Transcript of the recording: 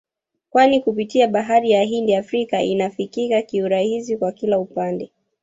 kwani kupitia bahari ya Hindi Afrika inafikika kiurahisi kwa kila upande